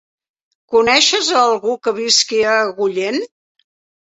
Coneixes algú que visqui a Agullent?